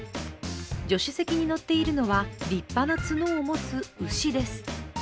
助手席に乗っているのは立派な角を持つ牛です。